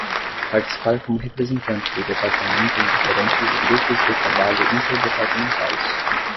Participar como representante do Departamento em diferentes grupos de trabalho interdepartamentais.